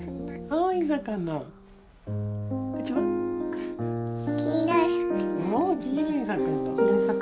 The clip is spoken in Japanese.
お黄色い魚。